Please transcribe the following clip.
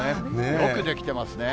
よく出来てますね。